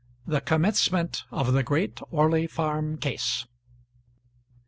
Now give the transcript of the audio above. THE COMMENCEMENT OF THE GREAT ORLEY FARM CASE.